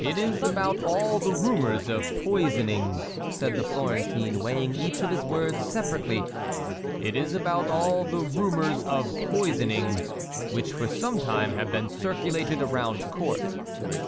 "It is about all the rumors of poisoning," said the Florentine, weighing each of his words separately, "it is about all the rumors of poisoning which for some time have been circulated around court."